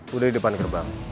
gue udah di depan gerbang